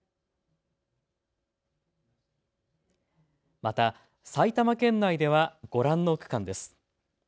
また埼玉県内ではご覧の区間です。